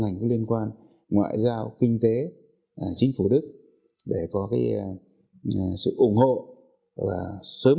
những năm khi tôi đã sống ở moscow